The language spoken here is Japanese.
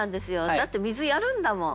だって水やるんだもん。